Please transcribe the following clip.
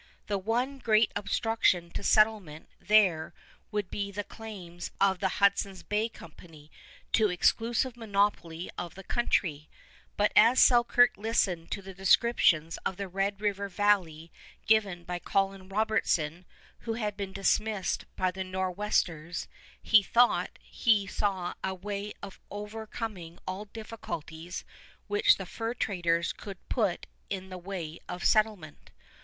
The one great obstruction to settlement there would be the claims of the Hudson's Bay Company to exclusive monopoly of the country; but as Selkirk listened to the descriptions of the Red River Valley given by Colin Robertson, who had been dismissed by the Nor'westers, he thought he saw a way of overcoming all difficulties which the fur traders could put in the way of settlement.